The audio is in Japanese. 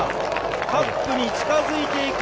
カップに近づいていく。